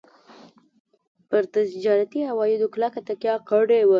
پر تجارتي عوایدو کلکه تکیه کړې وه.